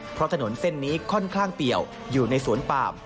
เพราะถนนเส้นนี้ค่อนข้างเปี่ยวอยู่ในสวนปาม